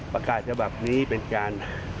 ประกาศฉบับนี้เป็นการ